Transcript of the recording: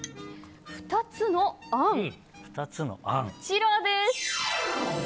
２つのあん、こちらです。